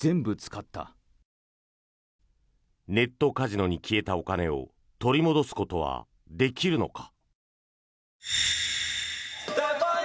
ネットカジノに消えたお金を取り戻すことはできるのか。